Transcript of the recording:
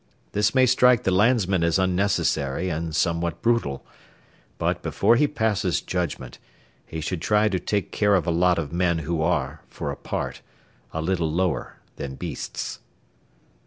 This may strike the landsman as unnecessary and somewhat brutal; but, before he passes judgment, he should try to take care of a lot of men who are, for a part, a little lower than beasts.